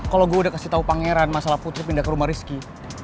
kalau gue udah kasih tau pangeran masalah putri pindah ke rumah rizky